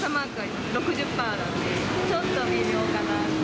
６０パーなんで、ちょっと微妙かなと。